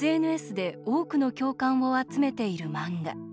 今、ＳＮＳで多くの共感を集めている漫画。